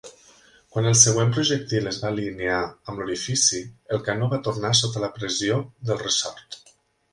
Quan el següent projectil es va alinear amb l'orifici, el canó va tornar sota la pressió del ressort.